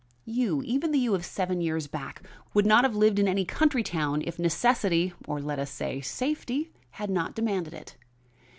You, even the you of seven years back, would not have lived in any country town if necessity, or let us say, safety, had not demanded it.